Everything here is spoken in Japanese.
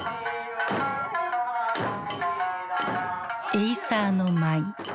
エイサーの舞。